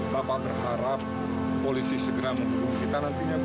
bapak berharap polisi segera menghubung kita nantinya